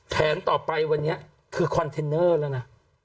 แผนต่อไปวันนี้คือคอนเทนเนอร์แล้วนะ